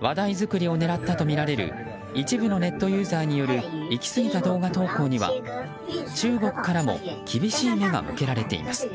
話題作りを狙ったとみられる一部のネットユーザーによる行き過ぎた動画投稿には中国からも厳しい目が向けられています。